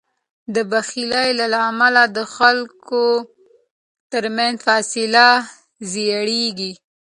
د بخل له امله د خلکو تر منځ فاصله زیږیږي.